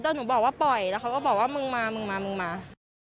แล้วหนูบอกว่าปล่อยแล้วเขาก็บอกว่ามึงมามึงมามึงมา